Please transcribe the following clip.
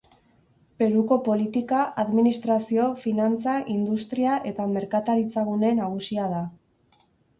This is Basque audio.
Peruko politika, administrazio, finantza, industria eta merkataritzagune nagusia da.